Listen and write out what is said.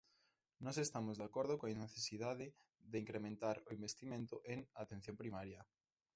Nós estamos de acordo coa necesidade de incrementar o investimento en atención primaria.